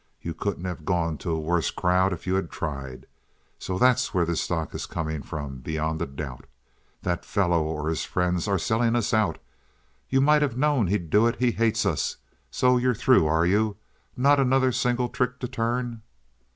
You couldn't have gone to a worse crowd if you had tried. So that's where this stock is coming from, beyond a doubt. That fellow or his friends are selling us out. You might have known he'd do it. He hates us. So you're through, are you?—not another single trick to turn?"